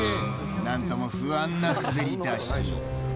何とも不安な滑り出し。